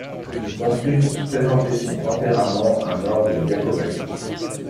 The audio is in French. Il construit pour présenter son tempérament un orgue diacommatique.